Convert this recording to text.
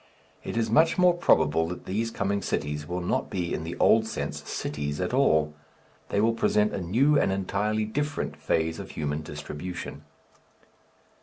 It is much more probable that these coming cities will not be, in the old sense, cities at all; they will present a new and entirely different phase of human distribution.